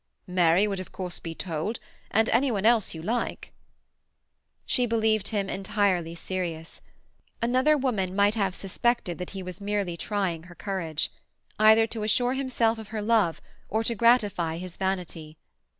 "Mary would of course be told, and any one else you like." She believed him entirely serious. Another woman might have suspected that he was merely trying her courage, either to assure himself of her love or to gratify his vanity.